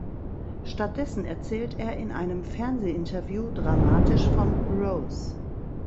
Stattdessen erzählt er in einem Fernsehinterview dramatisch von Rose.